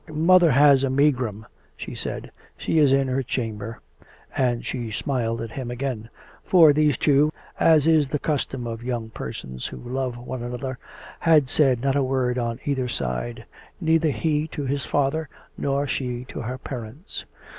" Mother has a megrim," she said ;" she is in her chamber." And she smiled at him again. For these two, as is the custom of young persons who love one another, had said not a word on either side — neither he to his father nor she .to her parents.